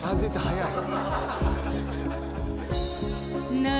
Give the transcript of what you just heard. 早い。